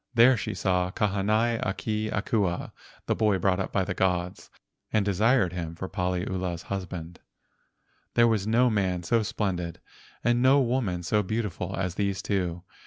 There she saw Kahanai a ke Akua (the boy brought up by the gods) and desired him for Paliula's husband. There was no man so splendid and no woman so beautiful as these two.